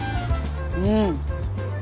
うん。